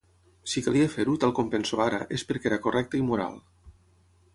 Si calia fer-ho, tal com penso ara, és perquè era correcte i moral.